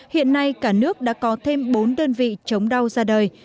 hiện nay cả nước đã có thêm bốn đơn vị chống đau ra đời